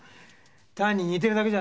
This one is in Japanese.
単に似てるだけじゃないのか？